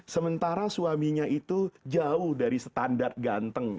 sementara suaminya itu jauh dari standar ganteng